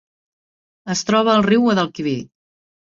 Es troba al riu Guadalquivir.